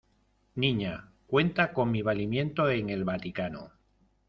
niña, cuenta con mi valimiento en el Vaticano.